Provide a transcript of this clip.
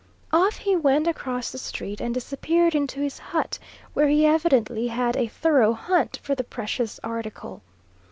Off he went across the street, and disappeared into his hut, where he evidently had a thorough hunt for the precious article.